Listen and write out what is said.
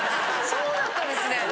そうだったんですね。